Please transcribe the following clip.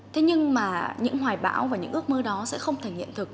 thế nhưng mà những hoài bão và những ước mơ đó sẽ không thể hiện thực